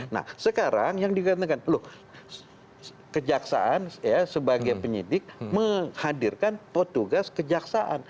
nah sekarang yang dikatakan loh kejaksaan ya sebagai penyidik menghadirkan petugas kejaksaan